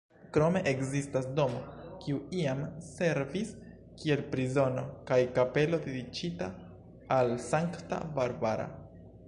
Krome ekzistas domo, kiu iam servis kiel prizono, kaj kapelo dediĉita al Sankta Barbara.